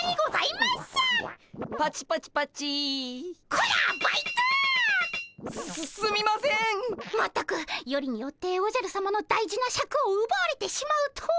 まったくよりによっておじゃるさまの大事なシャクをうばわれてしまうとは。